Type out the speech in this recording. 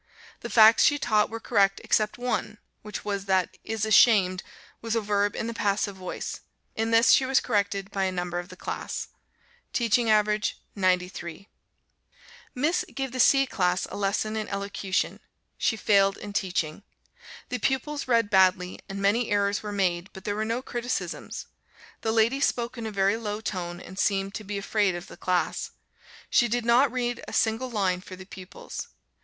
The facts she taught were correct, except one, which was, that "is ashamed" was a verb in the passive voice; in this she was corrected by a number of the class. Teaching average 93. Miss gave the C class a lesson in Elocution. She failed in teaching. The pupils read badly, and many errors were made, but there were no criticisms. The lady spoke in a very low tone, and seemed to be afraid of the class. She did not read a single line for the pupils.